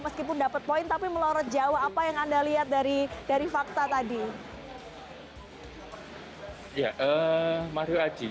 meskipun dapat poin tapi melorot jauh apa yang anda lihat dari dari fakta tadi ya eh mario aji